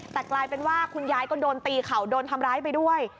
แต่กลายเป็นว่าคุณยายก็โดนตีเข่าโดนทำร้ายไปด้วย